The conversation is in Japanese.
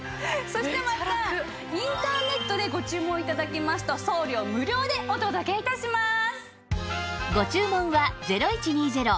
そしてまたインターネットでご注文頂きますと送料無料でお届け致します。